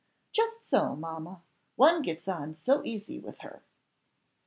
"Just so, mamma; one gets on so easy with her."